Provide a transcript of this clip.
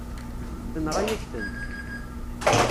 Tenɣa-yak-tent.